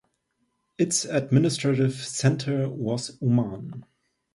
Its administrative centre was Uman.